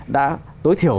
đã tối thiểu